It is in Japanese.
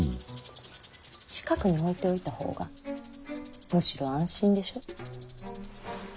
近くに置いておいた方がむしろ安心でしょ？